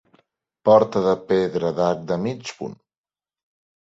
Porta de pedra d'arc de mig punt.